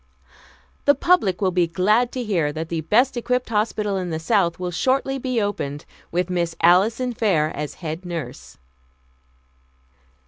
"The public will be glad to hear that the best equipped hospital in the South will shortly be opened, with Miss Alison Fair as head nurse."